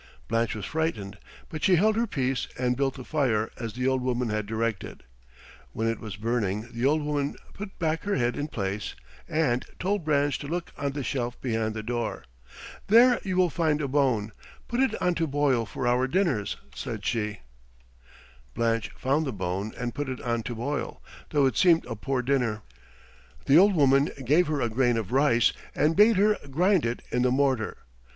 Blanche was frightened, but she held her peace and built the fire as the old woman had directed. When it was burning the old woman put back her head in place, and told Blanche to look on the shelf behind the door. "There you will find a bone; put it on to boil for our dinners," said she. [Illustration: She sat down beside the hearth and took off her head.] Blanche found the bone and put it on to boil, though it seemed a poor dinner. The old woman gave her a grain of rice and bade her grind it in the mortar.